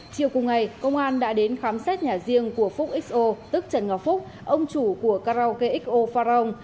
chiều cùng ngày công an đã đến khám xét nhà riêng của phúc xo tức trần ngọc phúc ông chủ của karaoke xo pharong